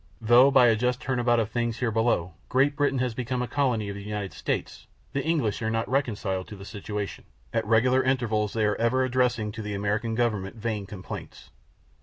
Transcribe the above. Though, by a just turn about of things here below, Great Britain has become a colony of the United States, the English are not yet reconciled to the situation. At regular intervals they are ever addressing to the American government vain complaints.